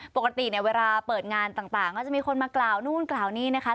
ปกติเนี่ยเวลาเปิดงานต่างก็จะมีคนมากล่าวนู่นกล่าวนี่นะคะ